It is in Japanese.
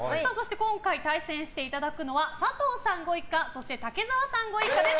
今回、対戦していただくのは佐藤さんご一家そして、武澤さんご一家です。